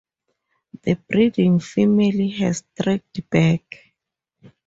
The breeding female has a streaked back.